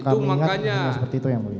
kalau ingat hanya seperti itu yang mulia